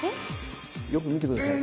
よく見て下さい。